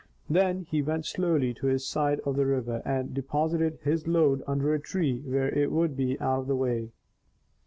Then he went slowly to his side of the river, and deposited his load under a tree where it would be out of the way.